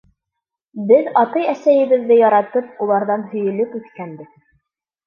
Беҙ ата-әсәйебеҙҙе яратып, уларҙан һөйөлөп үҫкәнбеҙ.